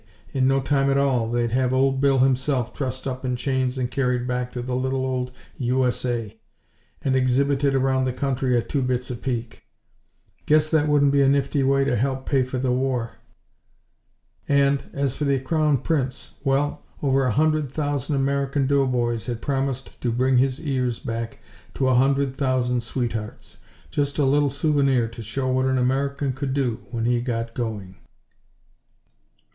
In no time at all they'd have Old Bill himself trussed up in chains and carried back to the little old U.S.A., and exhibited around the country at two bits a peek. Guess that wouldn't be a nifty way to help pay for the war! And as for the Crown Prince well, over a hundred thousand American doughboys had promised to bring his ears back to a hundred thousand sweet hearts just a little souvenir to show what an American could do when he got going.